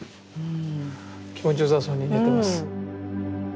気持ちよさそうに寝てます。